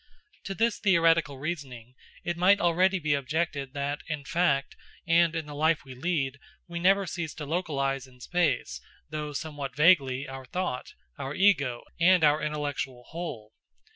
To this theoretical reasoning it might already be objected that, in fact, and in the life we lead, we never cease to localise in space, though somewhat vaguely, our thought, our Ego, and our intellectual whole.